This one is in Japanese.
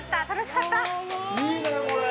楽しかった！